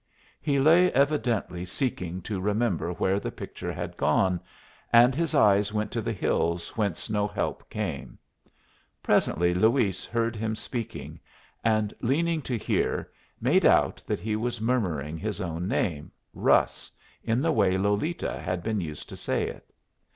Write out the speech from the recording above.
He lay evidently seeking to remember where the picture had gone, and his eyes went to the hills whence no help came. Presently Luis heard him speaking, and, leaning to hear, made out that he was murmuring his own name, Russ, in the way Lolita had been used to say it.